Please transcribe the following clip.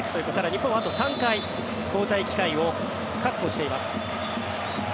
日本はあと３回交代機会を確保しています。